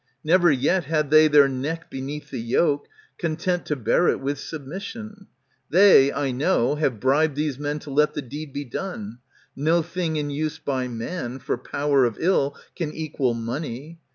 Never yet Had they their neck beneath the yoke, content To bear it wath submission. They, I know, Have bribed these men to let the deed be done. No thing in use by man, for power of ill, Can equal money.